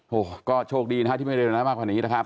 โหกระโชคดีที่ไม่ระยุ่นมากนี้นะครับ